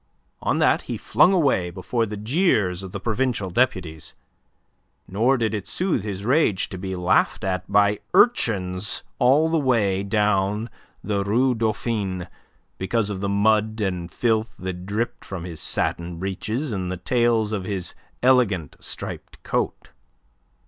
On that he flung away, before the jeers of the provincial deputies. Nor did it soothe his rage to be laughed at by urchins all the way down the Rue Dauphine because of the mud and filth that dripped from his satin breeches and the tails of his elegant, striped coat.